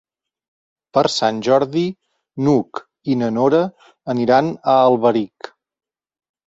Per Sant Jordi n'Hug i na Nora aniran a Alberic.